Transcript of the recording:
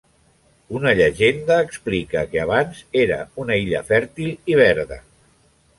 Una llegenda explica que abans era una illa fèrtil i verda.